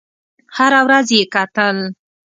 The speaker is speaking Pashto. هره ورځ یې کتل.